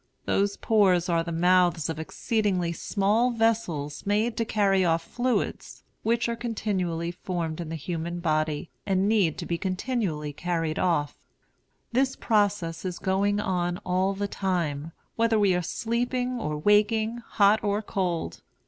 Those pores are the mouths of exceedingly small vessels made to carry off fluids, which are continually formed in the human body, and need to be continually carried off. This process is going on all the time, whether we are sleeping or waking, hot or cold.